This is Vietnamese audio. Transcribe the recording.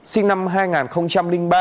sinh năm hai nghìn ba